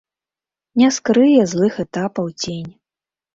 Не скрые злых этапаў цень.